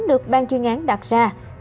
được ban chuyên án đặt ra